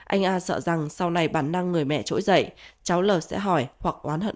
anh a sợ rằng sau này bản năng người mẹ trỗi dậy cháu l sẽ hỏi hoặc quán hận